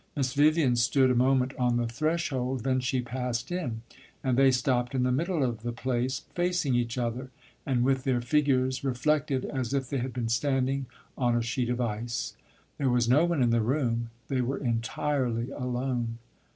Miss Vivian stood a moment on the threshold; then she passed in, and they stopped in the middle of the place, facing each other, and with their figures reflected as if they had been standing on a sheet of ice. There was no one in the room; they were entirely alone.